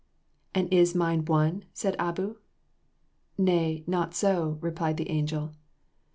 "And is mine one?" said Abou. "Nay, not so," Replied the angel.